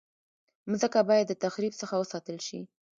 مځکه باید د تخریب څخه وساتل شي.